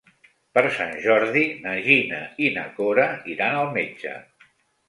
Per Sant Jordi na Gina i na Cora iran al metge.